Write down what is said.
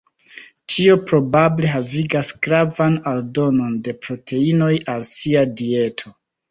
Tio probable havigas gravan aldonon de proteinoj al sia dieto.